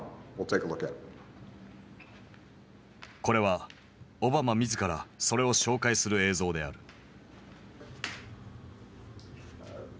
これはオバマ自らそれを紹介する映像である。